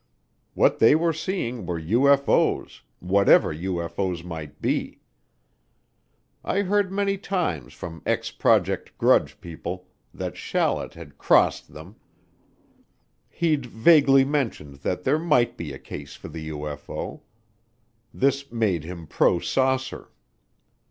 What they were seeing were UFO's, whatever UFO's might be. I heard many times from ex Project Grudge people that Shallet had "crossed" them, he'd vaguely mentioned that there might be a case for the UFO. This made him pro saucer.